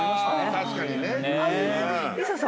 確かにね。